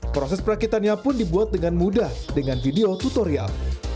proses perakitannya pun dibuat dengan mudah dengan video tutorial